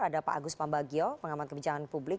ada pak agus pambagio pengamat kebijaksanaan